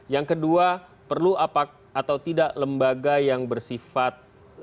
yang kedua perlu apa atau tidak lembaga yang bersifat